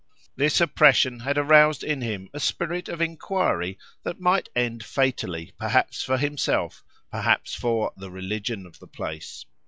This oppression had arouses in him a spirit of inquiry that might end fatally, perhaps for himself, perhaps for the "religion of the place."